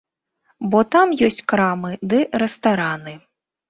Бо там ёсць крамы ды рэстараны.